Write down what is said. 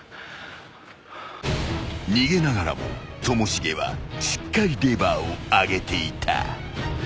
［逃げながらもともしげはしっかりレバーを上げていた］